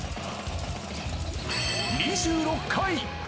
２６回。